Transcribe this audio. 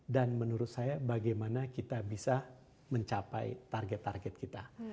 dan menurut saya bagaimana kita bisa mencapai target target kita